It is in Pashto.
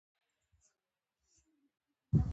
نفت د افغانستان د انرژۍ سکتور برخه ده.